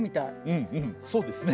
うんうんそうですね。